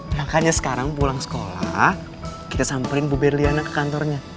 makanya sekarang pulang sekolah kita samperin bu berliana ke kantornya